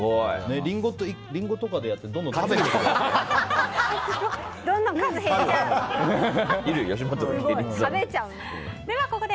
リンゴとかでやってどんどん食べていくのはどう？